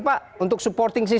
saya ke pak dhani